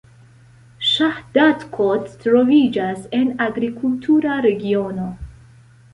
Ŝahdadkot troviĝas en agrikultura regiono.